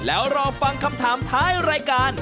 แล้วรอฟังคำถามท้ายรายการ